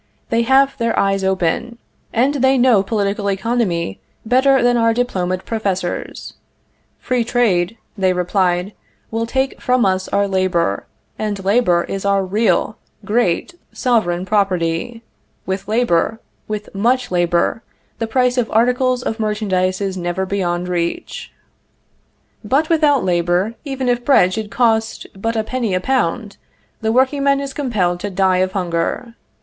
They have their eyes open, and they know political economy better than our diplomaed professors. Free trade, they replied, will take from us our labor, and labor is our real, great, sovereign property; with labor, with much labor, the price of articles of merchandise is never beyond reach. But without labor, even if bread should cost but a penny a pound, the workingman is compelled to die of hunger.